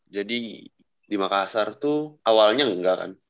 jadi di makassar tuh awalnya enggak kan